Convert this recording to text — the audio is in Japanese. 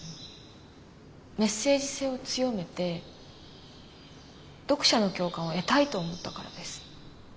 メッセージ性を強めて読者の共感を得たいと思ったからです。